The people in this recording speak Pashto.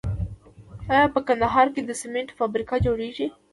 آیا په کندهار کې د سمنټو فابریکه جوړیږي؟